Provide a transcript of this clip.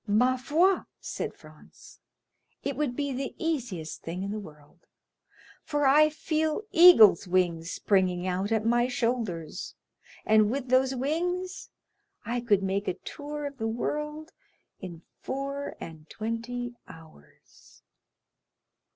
20087m "Ma foi," said Franz, "it would be the easiest thing in the world; for I feel eagle's wings springing out at my shoulders, and with those wings I could make a tour of the world in four and twenty hours."